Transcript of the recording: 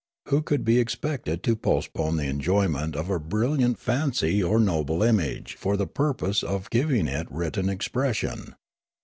Who could be expected to postpone the enjoyment of a brilliant fancy or noble image for the purpose of giving it written expression